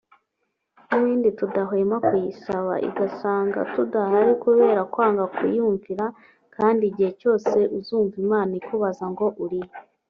n'ibindi tudahwema kuyisaba) igasanga tudahari kubera kwanga kuyumvira kandi igihe cyose uzumva Imana ikubaza ngo uri he